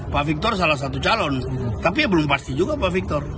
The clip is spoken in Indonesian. pak victor salah satu calon tapi ya belum pasti juga pak victor